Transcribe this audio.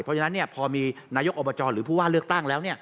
เพราะฉะนั้นพอมีนายกอบจหรือผู้ว่าเลือกตั้งแล้ว